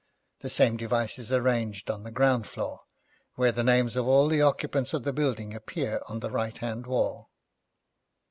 The same device is arranged on the ground floor, where the names of all the occupants of the building appear on the right hand wall.